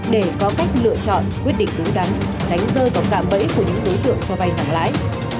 để có cách lựa chọn quyết định đúng đắn tránh rơi vào cạm bẫy của những đối tượng cho vay nặng lãi